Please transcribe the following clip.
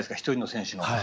１人の選手の。